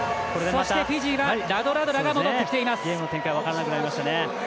そしてフィジーはラドラドラが戻ってきています。